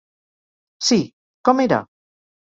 Sí; com era?